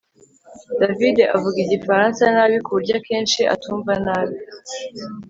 davide avuga igifaransa nabi kuburyo akenshi atumva nabi